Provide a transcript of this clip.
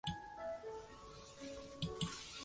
圣费利。